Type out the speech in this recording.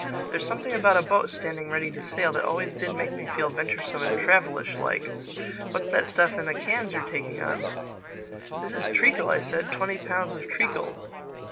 There's something about a boat standing ready to sail that always did make me feel venturesome and travelish like. What's that stuff in the cans you're taking on?" "This is treacle," I said—"twenty pounds of treacle."